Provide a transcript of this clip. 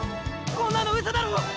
こんなの嘘だろ？